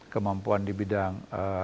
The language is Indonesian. kemampuan di bidang